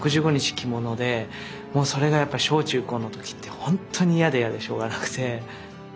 着物でもうそれがやっぱ小・中・高の時ってほんとに嫌で嫌でしょうがなくて。